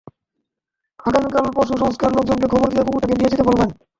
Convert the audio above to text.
আগামীকাল পশু সংস্থার লোকজনকে খবর দিয়ে কুকুরটাকে নিয়ে যেতে বলবেন।